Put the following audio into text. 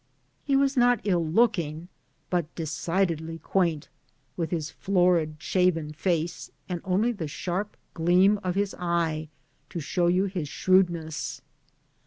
He was not ill looking", but de cidedly quaint, with his florid, shaven face, and only the sharp gleam of his eye to show you his shrewd ness.